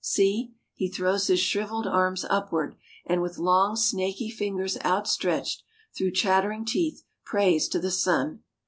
See ! he throws his shriveled arms upward, and with long, snaky fingers outstretched, through chattering teeth, prays to the sun.